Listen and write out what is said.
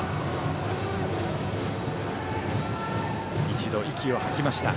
一度、息を吐きました。